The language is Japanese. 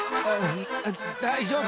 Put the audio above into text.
大丈夫？